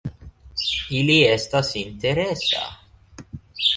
Ili estas interesa.